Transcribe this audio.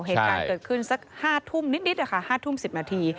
เหตุการณ์เกิดขึ้น๕ทุ่มนิดนิดอะค่ะ๕ทุ่ม๑๐นาที